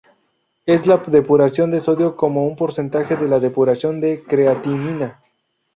Es la depuración de sodio como un porcentaje de la depuración de creatinina.